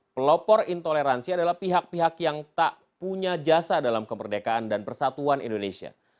pelopor intoleransi adalah pihak pihak yang tak punya jasa dalam kemerdekaan dan persatuan indonesia